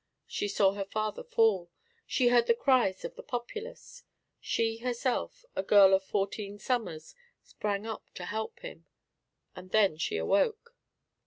She saw her father fall. She heard the cries of the populace. She herself, a girl of fourteen summers, sprang up to help him. And then she awoke.